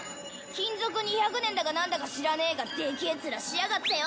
勤続２００年だか何だか知らねえがでけえ面しやがってよ！